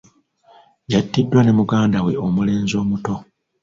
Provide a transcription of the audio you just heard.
Yattiddwa ne muganda we omulenzi omuto.